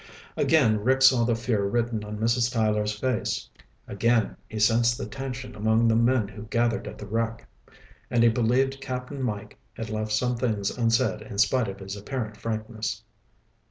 Again Rick saw the fear written on Mrs. Tyler's face. Again he sensed the tension among the men who gathered at the wreck. And he believed Cap'n Mike had left some things unsaid in spite of his apparent frankness.